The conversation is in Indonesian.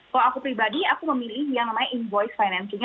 kalau aku pribadi aku memilih yang namanya invoice financing